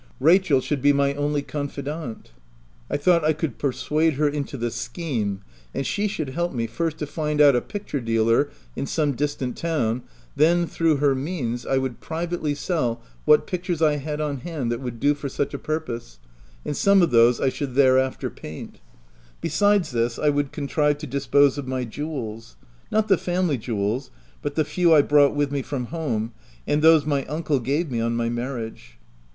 Rachel should be my only con fidant — I thought I could persuade her into the scheme ; and she should help me, first to find out a picture dealer in some distant town ; then, through her means, I would privately sell what pictures I had on hand that would do for such a purpose, and some of those I should there after paint. Besides this, I would contrive to dispose of my jewels— not the family jewels, but the few I brought with me from home, and those my uncle gave me on my marriage.